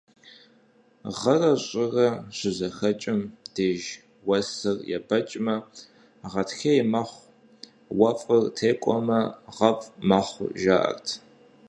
Гъэрэ щӀырэ щызэхэкӀым деж уэсыр ебэкӀмэ гъатхей мэхъу, уэфӀыр текӀуэмэ гъэфӀ мэхъу, жаӀэрт.